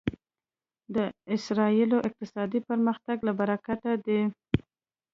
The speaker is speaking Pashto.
د اسرایلو اقتصادي پرمختګ له برکته دی.